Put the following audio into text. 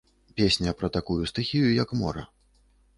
Песня пра такую стыхію, як мора.